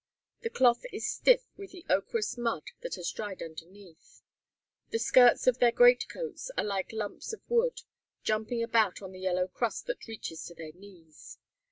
The cloth is stiff with the ochreous mud that has dried underneath. The skirts of their greatcoats are like lumps of wood, jumping about on the yellow crust that reaches to their knees.